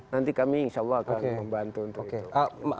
nanti kami insya allah akan membantu untuk itu